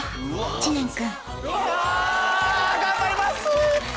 知念君・いや頑張りますぅ。